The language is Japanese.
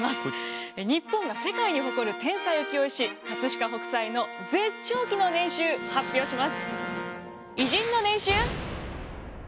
日本が世界に誇る天才浮世絵師飾北斎の絶頂期の年収発表します。